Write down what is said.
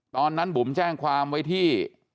ตอนนั้นบุ๋มแจ้งความไว้ที่